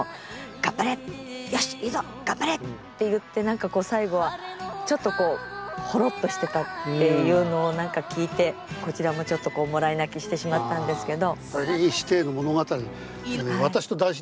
「頑張れ！よしいいぞ頑張れ！」って言って何かこう最後はちょっとこうホロッとしてたっていうのを何か聞いてこちらもちょっとこうもらい泣きしてしまったんですけど。